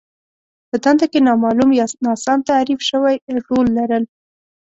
په دنده کې نامالوم يا ناسم تعريف شوی رول لرل.